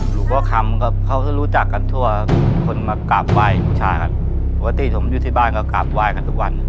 หลวงพ่อคำกับเขาก็รู้จักกันทั่วคนมากราบไหว้บูชากันปกติผมอยู่ที่บ้านก็กราบไหว้กันทุกวัน